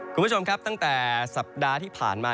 คุณผู้ชมครับตั้งแต่สัปดาห์ที่ผ่านมา